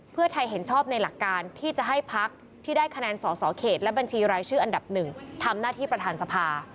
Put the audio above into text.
เพื่อไทยเห็นชอบในหลักการที่จะให้พักที่ได้คะแนนสอสอเขตและบัญชีรายชื่ออันดับหนึ่งทำหน้าที่ประธานสภา